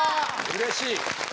うれしい！